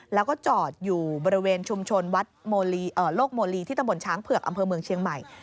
แล้วก็จอดอยู่บริเวณชุมชนวัดโลกโมลีที่ตำบลช้างเผือกอำเภอเมืองเชียงใหม่